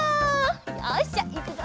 よしじゃあいくぞ！